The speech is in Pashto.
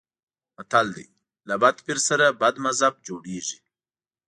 متل دی: له بد پیر سره بد مذهب جوړېږي.